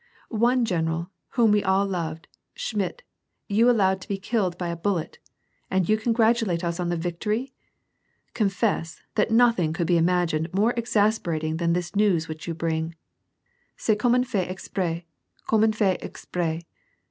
One general, whom we all loved, Schmidt, you allowed to be killed by a bullet, and you congratulate us on the victory ! Confess that nothing could be imagined more exasperating than this news which you bring. C'est comnie unfait exprtSy comme un fait expres.